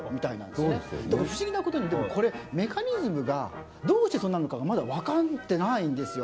でも不思議なことにでもこれメカニズムがどうしてそうなるのかがまだわかってないんですよ。